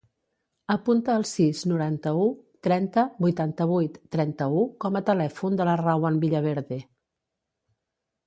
Apunta el sis, noranta-u, trenta, vuitanta-vuit, trenta-u com a telèfon de la Rawan Villaverde.